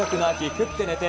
食って寝て！